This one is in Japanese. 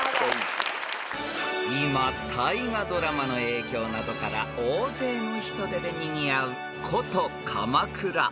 ［今大河ドラマの影響などから大勢の人出でにぎわう古都鎌倉］